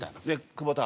「久保田